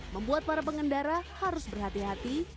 membuat para pengendara harus berhati hati